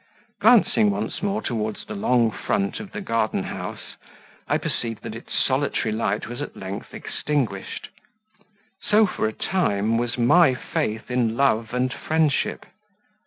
Glancing once more towards the long front of the garden house, I perceived that its solitary light was at length extinguished; so, for a time, was my faith in love and friendship.